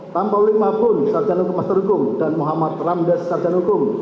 tanpa oleh maupun sajan hukum master hukum dan muhammad ramdes sajan hukum